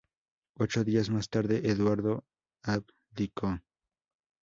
Ocho días más tarde, Eduardo abdicó.